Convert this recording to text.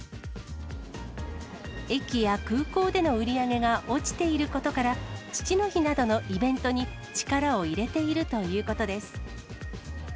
駅や空港での売り上げが落ちていることから、父の日などのイベントに力を入れているということです。